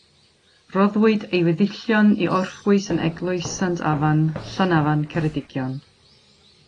Rhoddwyd ei weddillion i orffwys yn Eglwys Sant Afan, Llanafan, Ceredigion.